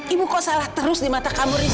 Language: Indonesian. ibu kok salah terus di mata kamu rizk